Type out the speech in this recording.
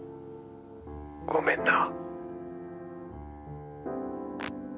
「ごめんな」